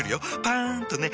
パン！とね。